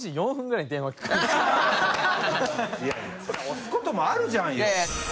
押すこともあるじゃんよ。